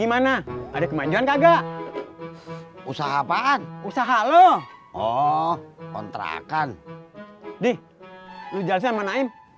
gimana ada kemanjuan kagak usaha apaan usaha lo oh kontrakan nih lu jalan mana